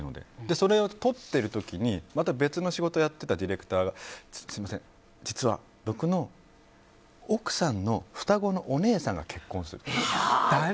それを撮ってる時にまた別の仕事やってたディレクターが実は僕の奥さんの双子のお姉さんが結婚すると。